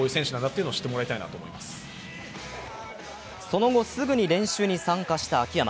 その後すぐに練習に参加した秋山。